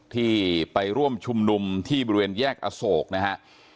ที่ไปร่วมชุมนุมที่บริเวณแยกอโศกนะฮะ